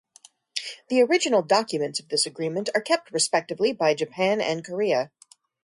The original documents of this agreement are kept respectively by Japan and Korea.